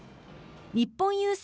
日本郵政